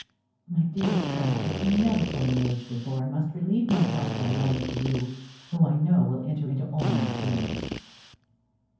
My dearest friend, I was never so enraged before, and must relieve myself by writing to you, who I know will enter into all my feelings.